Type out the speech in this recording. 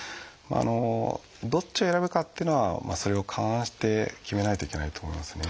どっちを選ぶかっていうのはそれを勘案して決めないといけないと思いますね。